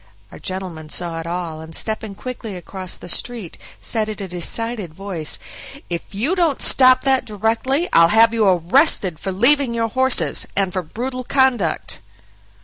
Our gentleman saw it all, and stepping quickly across the street, said in a decided voice: "If you don't stop that directly, I'll have you arrested for leaving your horses, and for brutal conduct."